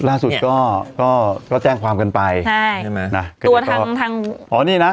ล่าสุดก็ก็แจ้งความกันไปใช่ใช่ไหมนะคือตัวทางทางอ๋อนี่นะ